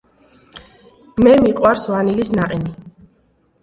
მე მიყვარს ვანილის ნაყინი.